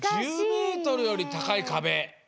１０メートルより高いカベ。